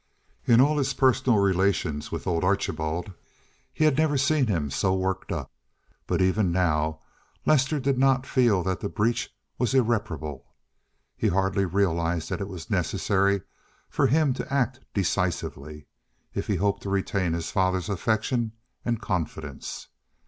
In all his personal relations with old Archibald he had never seen him so worked up. But even now Lester did not feel that the breach was irreparable; he hardly realized that it was necessary for him to act decisively if he hoped to retain his father's affection and confidence.